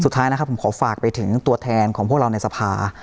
สุดท้ายนะครับผมขอฝากไปถึงตัวแทนของพวกเราในสภา